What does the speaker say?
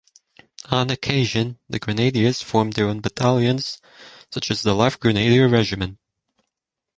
On occasion, the grenadiers formed their own battalions such as the Life Grenadier Regiment.